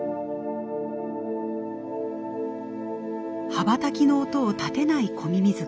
羽ばたきの音を立てないコミミズク。